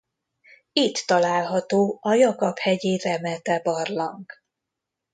Itt található a Jakab-hegyi Remete-barlang.